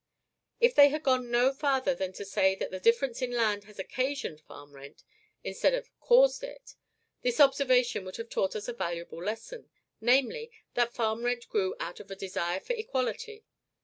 If they had gone no farther than to say that the difference in land has OCCASIONED farm rent, instead of CAUSED it, this observation would have taught us a valuable lesson; namely, that farm rent grew out of a desire for equality.